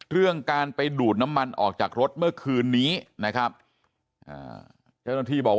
เรื่องการไปดูดน้ำมันออกจากรถเมื่อคืนนี้นะครับ